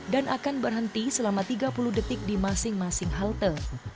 dan akan berhenti selama tiga puluh detik di masing masing halte